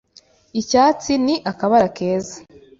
Icyatsi ni akabara keza